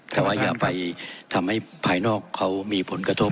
แต่ว่าอย่าไปทำให้ภายนอกเขามีผลกระทบ